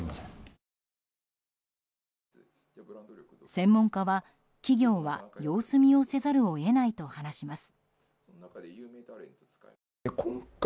専門家は企業は様子見をせざるを得ないと話します。